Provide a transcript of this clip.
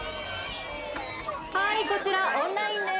こちらオンラインです。